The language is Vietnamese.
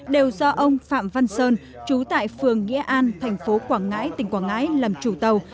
đều do ông phạm văn sơn trú tại phường nghĩa an thành phố quảng ngãi tỉnh quảng ngãi làm chủ tàu